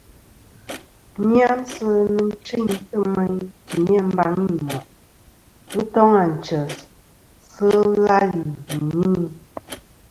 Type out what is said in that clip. Nyamsɨ nɨ̂n chintɨ meyn timi a mbaŋi i moʼ. Ghɨ toŋ ànchès, sɨ làlì nɨ̀ ìnyɨŋi.